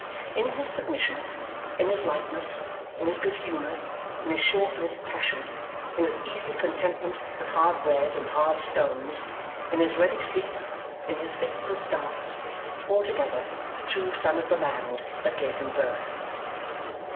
In his submission, in his lightness, in his good humour, in his short lived passion, in his easy contentment with hard bread and hard stones, in his ready sleep, in his fits and starts, altogether a true son of the land that gave him birth.